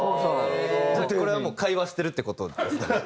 これはもう会話してるって事ですね？